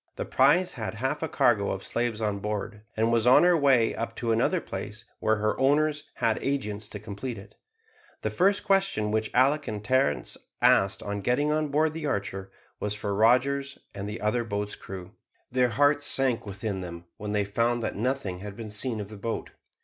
The prize had half a cargo of slaves on board, and was on her way up to another place where her owners had agents to complete it. The first question which Alick and Terence asked on getting on board the Archer, was for Rogers and the other boat's crew. Their hearts sank within them, when they found that nothing had been seen of the boat.